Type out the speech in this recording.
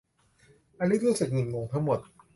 อลิซรู้สึกงุนงงทั้งหมด